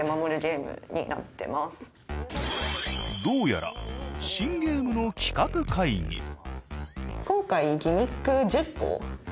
どうやら新ゲームの企画会議。